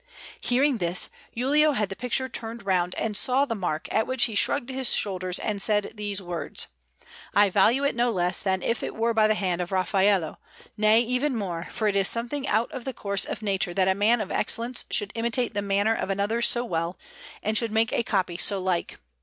Hearing this, Giulio had the picture turned round, and saw the mark; at which he shrugged his shoulders and said these words, "I value it no less than if it were by the hand of Raffaello nay, even more, for it is something out of the course of nature that a man of excellence should imitate the manner of another so well, and should make a copy so like.